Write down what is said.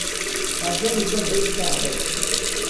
Husson is a wet campus.